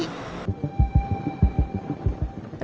regulasi perjalanan ke jalan jalan